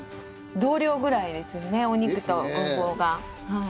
同量ぐらいですよねお肉とごぼうが。